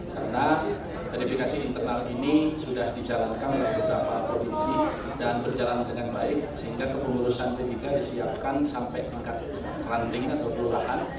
karena verifikasi internal ini sudah dijalankan oleh beberapa provinsi dan berjalan dengan baik sehingga kepengurusan p tiga disiapkan sampai tingkat ranting atau perolahan